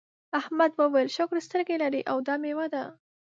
احمد وویل شکر سترګې لرې او دا میوه ده.